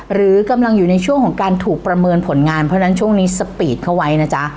หรือกำลังอยู่ในช่วงของการถูกประเมินผลงานเพราะฉะนั้นช่วงนี้สปีดเข้าไว้นะจ๊ะ